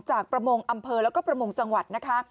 ประมงอำเภอแล้วก็ประมงจังหวัดนะคะ